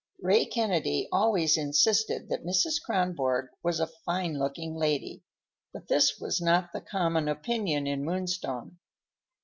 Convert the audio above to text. Ray Kennedy always insisted that Mrs. Kronborg was "a fine looking lady," but this was not the common opinion in Moonstone.